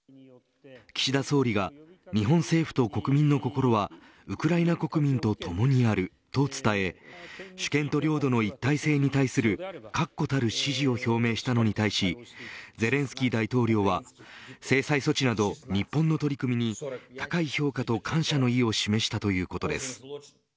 岸田総理が日本政府と国民の心はウクライナ国民とともにあると伝え主権と領土の一体性に対する確固たる支持を表明したのに対しゼレンスキー大統領は制裁措置など日本の取り組みに高い評価と感謝の意を示したということです。